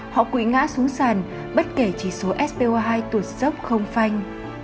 họ quỷ ngã xuống sàn bất kể chỉ số spo hai tuột dốc không phanh